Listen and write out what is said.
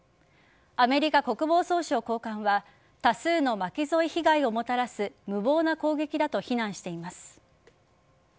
アメリカ国防総省高官は多数の巻き添え被害をもたらす無謀な攻撃だと非難しています。